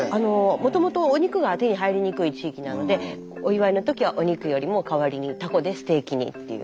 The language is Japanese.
もともとお肉が手に入りにくい地域なのでお祝いの時はお肉よりも代わりにタコでステーキにっていう。